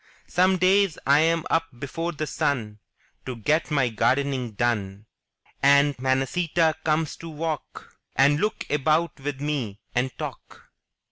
Some days Tm up before the sun To get my gardening done; And Manacita comes to walk And look about with me, and talk.